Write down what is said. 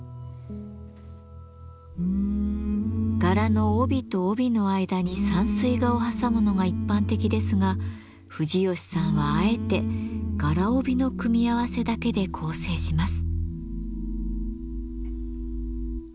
柄の帯と帯の間に山水画を挟むのが一般的ですが藤吉さんはあえて柄帯の組み合わせだけで構成します。